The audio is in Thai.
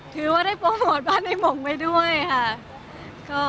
ถือว่าได้โปรโมทบ้านให้หม่องไปด้วยค่ะ